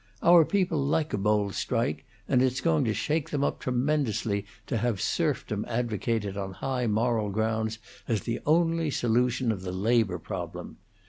Our people like a bold strike, and it's going to shake them up tremendously to have serfdom advocated on high moral grounds as the only solution of the labor problem.